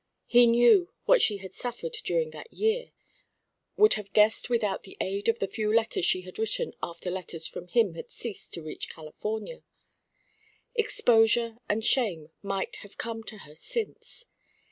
He knew what she had suffered during that year, would have guessed without the aid of the few letters she had written after letters from him had ceased to reach California. Exposure and shame might have come to her since.